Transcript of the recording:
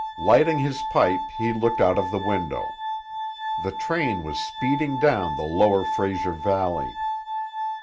Lighting his pipe, he looked out of the window. The train was speeding down the lower Fraser valley.